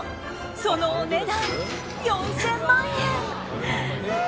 そのお値段４０００万円！